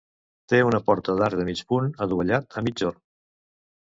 Té una porta d'arc de mig punt adovellada a migjorn.